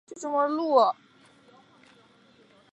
毛脉翅果菊是菊科翅果菊属的植物。